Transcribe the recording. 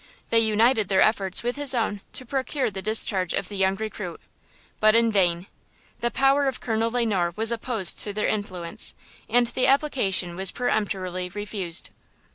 They united their efforts with his own to procure the discharge of the young recruit, but in vain; the power of Colonel Le Noir was opposed to their influence and the application was peremptorily refused.